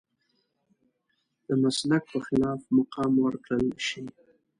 د مسلک په خلاف مقام ورکړل شي.